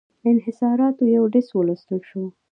انحصاراتو یو لېست ولوستل شو.